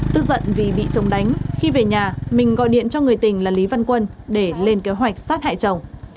tức giận vì bị chồng đánh khi về nhà mình gọi điện cho người tình là lý văn quân để lên kế hoạch sát hại chồng